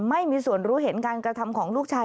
ไม่มีส่วนรู้เห็นการกระทำของลูกชาย